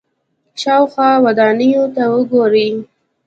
شاوخوا ودانیو ته وګورئ.